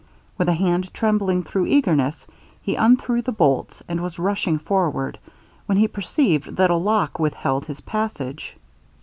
With a hand trembling through eagerness, he undrew the bolts, and was rushing forward, when he perceived that a lock withheld his passage.